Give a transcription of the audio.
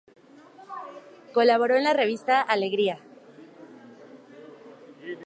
Colaboró en la revista "¡Alegría!".